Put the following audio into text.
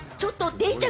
デイちゃん